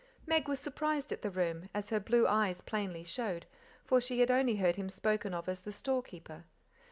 Meg was surprised at the room, as her blue eyes plainly showed, for she had only heard him spoken of as the store keeper.